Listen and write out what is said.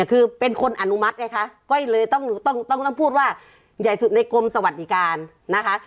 คือเป็นคนอนุมัติไงคะก้อยเลยต้องต้องพูดว่าใหญ่สุดในกรมสวัสดิการนะคะ